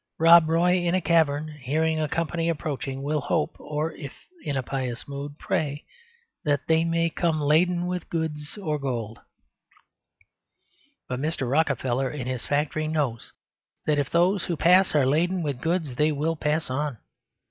Rob Roy in a cavern, hearing a company approaching, will hope (or if in a pious mood, pray) that they may come laden with gold or goods. But Mr. Rockefeller, in his factory, knows that if those who pass are laden with goods they will pass on.